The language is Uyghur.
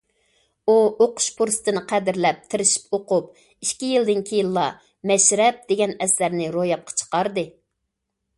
ئۇ ئوقۇش پۇرسىتىنى قەدىرلەپ تىرىشىپ ئوقۇپ، ئىككى يىلدىن كېيىنلا‹‹ مەشرەپ›› دېگەن ئەسەرنى روياپقا چىقاردى.